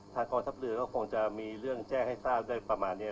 กองทัพเรือก็คงจะมีเรื่องแจ้งให้ทราบได้ประมาณนี้